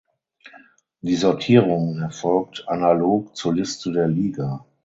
Die Sortierung erfolgt analog zur Liste der Liga.